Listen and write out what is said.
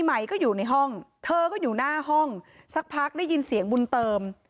ใหม่ก็อยู่ในห้องเธอก็อยู่หน้าห้องสักพักได้ยินเสียงบุญเติม